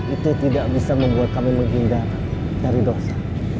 itu tidak bisa membuat kami menghindar dari dosa